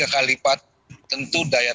tiga kali lipat tentu daya